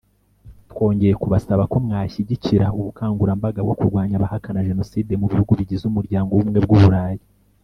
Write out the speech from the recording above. twongeye kubasaba ko mwashyigikira ubukangurambaga bwo kurwanya abahakana Jenoside mu bihugu bigize Umuryango w’Ubumwe bw’u Burayi